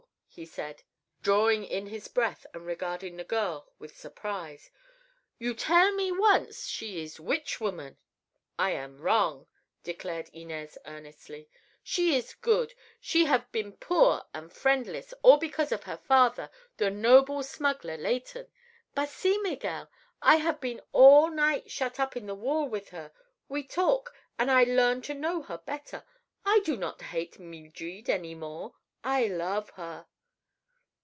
he said, drawing in his breath and regarding the girl with surprise. "You tell me once she is witch woman." "I am wrong," declared Inez earnestly. "She is good. She have been poor an' friendless, all because of her father, the noble smuggler Leighton. But see, Miguel; I have been all night shut up in the wall with her. We talk, an' I learn to know her better. I do not hate Meeldred any more—I love her!"